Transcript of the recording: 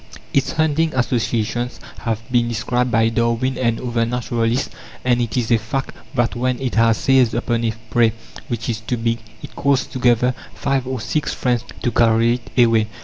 Its hunting associations have been described by Darwin and other naturalists, and it is a fact that when it has seized upon a prey which is too big, it calls together five or six friends to carry it away.